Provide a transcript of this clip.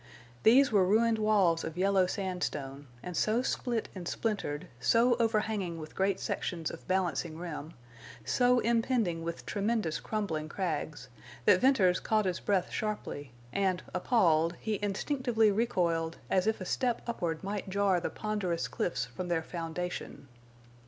These were ruined walls of yellow sandstone, and so split and splintered, so overhanging with great sections of balancing rim, so impending with tremendous crumbling crags, that Venters caught his breath sharply, and, appalled, he instinctively recoiled as if a step upward might jar the ponderous cliffs from their foundation.